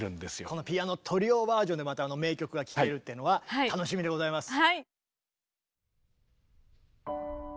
このピアノトリオバージョンでまたあの名曲が聴けるっていうのは楽しみでございます。